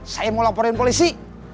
saya mau laporan ke polisi